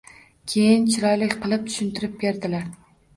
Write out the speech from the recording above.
Keyin chiroyli qilib tushuntirib berdilar.